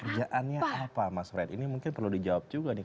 kerjaannya apa mas fred ini mungkin perlu dijawab juga nih